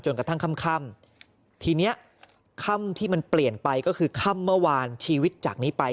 กระทั่งค่ำทีเนี้ยค่ำที่มันเปลี่ยนไปก็คือค่ำเมื่อวานชีวิตจากนี้ไป